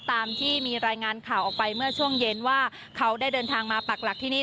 ตามที่มีรายงานข่าวออกไปเมื่อช่วงเย็นว่าเขาได้เดินทางมาปักหลักที่นี่